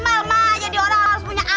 amal ma jadi orang harus punya amal